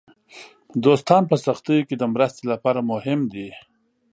دوستان په سختیو کې د مرستې لپاره مهم دي.